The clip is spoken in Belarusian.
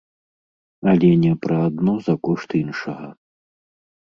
Але не пра адно за кошт іншага.